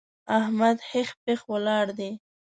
احمد هېښ پېښ ولاړ دی!